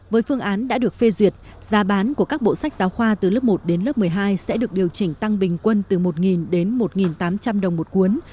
với phương án đã được phê duyệt giá bán của các bộ sách giáo khoa từ lớp một đến lớp một mươi hai sẽ được điều chỉnh tăng bình quân từ một đến một tám trăm linh đồng một cuốn